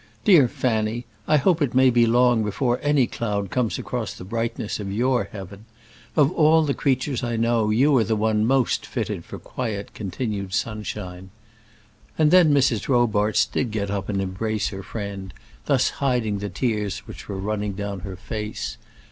Dear Fanny, I hope it may be long before any cloud comes across the brightness of your heaven. Of all the creatures I know you are the one most fitted for quiet continued sunshine." And then Mrs. Robarts did get up and embrace her friend, thus hiding the tears which were running down her face.